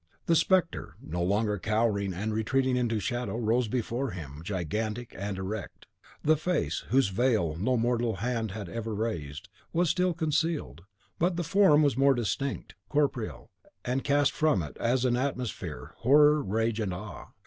The Spectre, no longer cowering and retreating into shadow, rose before him, gigantic and erect; the face, whose veil no mortal hand had ever raised, was still concealed, but the form was more distinct, corporeal, and cast from it, as an atmosphere, horror and rage and awe.